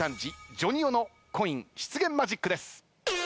ＪＯＮＩＯのコイン出現マジックです。